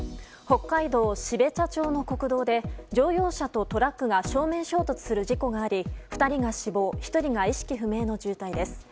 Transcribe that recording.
北海道標茶町の国道で乗用車とトラックが正面衝突する事故があり２人が死亡１人が意識不明の重体です。